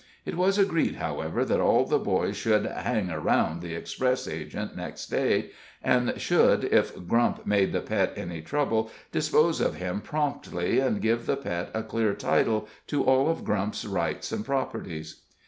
It was agreed, however, that all the boys should "hang around" the express agent next day, and should, if Grump made the Pet any trouble, dispose of him promptly, and give the Pet a clear title to all of Grump's rights and properties.